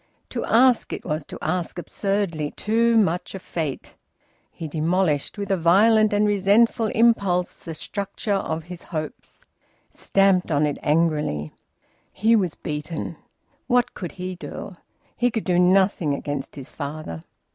To ask it was to ask absurdly too much of fate. He demolished, with a violent and resentful impulse, the structure of his hopes; stamped on it angrily. He was beaten. What could he do? He could do nothing against his father.